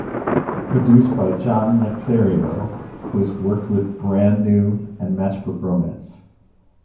Produced by John Naclerio, who has worked with Brand New and Matchbook Romance.